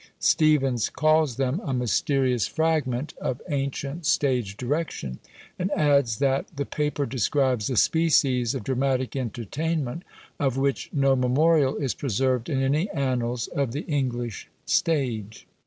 Steevens calls them "a mysterious fragment of ancient stage direction," and adds, that "the paper describes a species of dramatic entertainment of which no memorial is preserved in any annals of the English stage."